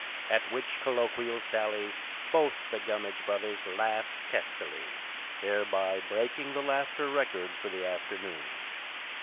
At which colloquial sally both the Gummidge brothers laughed testily, thereby breaking the laughter record for the afternoon.